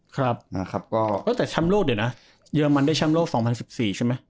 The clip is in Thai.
ครับนะครับก็ก็แต่ช้ำโลกเดี๋ยวนะเยอรมันได้ช้ำโลกสองพันสิบสี่ใช่ไหม